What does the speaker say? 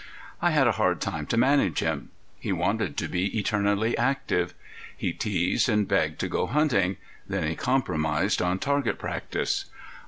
I had a hard time to manage him. He wanted to be eternally active. He teased and begged to go hunting then he compromised on target practice.